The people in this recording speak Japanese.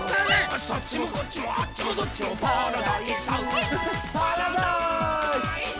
「そっちもこっちもあっちもどっちもパラダイス」「パラダイース」